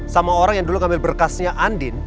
sama orang yang dulu ngambil berkasnya andin